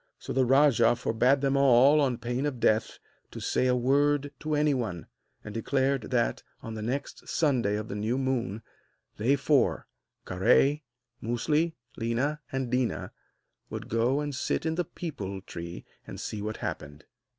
So the rajah forbade them all, on pain of death, to say a word to anyone; and declared that, on the next Sunday of the new moon, they four Kahré, Musli, Léna and Déna would go and sit in the peepul tree and see what happened.